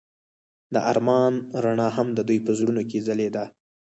د آرمان رڼا هم د دوی په زړونو کې ځلېده.